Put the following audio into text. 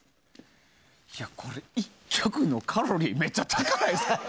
これ、１曲のカロリーめちゃ高ないですか？